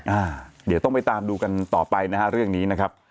อ่าเดี๋ยวต้องไปตามดูกันต่อไปนะฮะเรื่องนี้นะครับ